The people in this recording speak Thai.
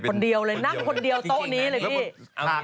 เพลงพี่นั่นคนเยี่ยวโต๊ะนี้เลย